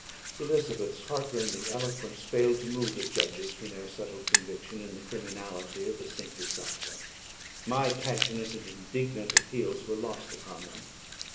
Elizabeth's heart rending eloquence failed to move the judges from their settled conviction in the criminality of the saintly sufferer. My passionate and indignant appeals were lost upon them.